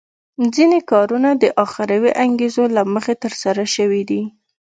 ځینې کارونه د اخروي انګېزو له مخې ترسره شوي دي.